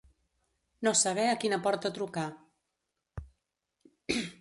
No saber a quina porta trucar.